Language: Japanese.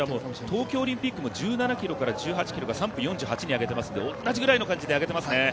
東京オリンピックも１７ｋｍから１８ｋｍで３分４８に上げてますので同じような感じに上げてますね。